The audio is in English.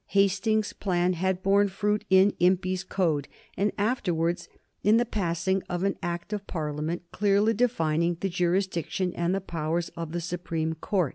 Hastings's plan had borne fruit in Impey's "Code," and afterwards in the passing of an Act of Parliament clearly defining the jurisdiction and the powers of the Supreme Court.